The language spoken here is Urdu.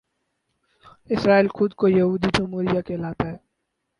اسرائیل خود کو یہودی جمہوریہ کہلاتا ہے